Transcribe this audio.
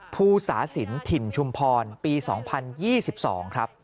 ภูสาศิลป์ถิ่นชุมพรปี๒๐๒๒ครับ